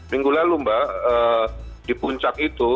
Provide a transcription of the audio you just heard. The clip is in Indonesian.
minggu lalu mbak di puncak itu